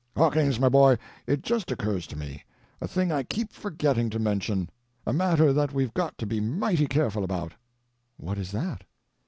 "Hawkins, my boy, it just occurs to me—a thing I keep forgetting to mention—a matter that we've got to be mighty careful about." "What is that?"